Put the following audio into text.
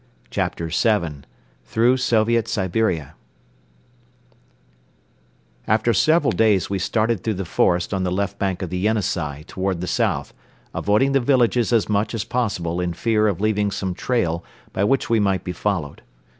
CHAPTER VII THROUGH SOVIET SIBERIA After several days we started through the forest on the left bank of the Yenisei toward the south, avoiding the villages as much as possible in fear of leaving some trail by which we might be followed.